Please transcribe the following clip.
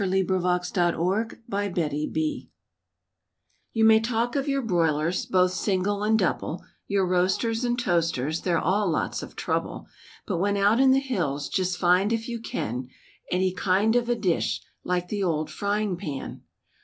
*THE OLD FRYING PAN* You may talk of your broilers, both single and double, Your roasters and toasters, they're all lots of trouble; But when out in the hills, just find if you can, Any kind of a dish like the old frying pan.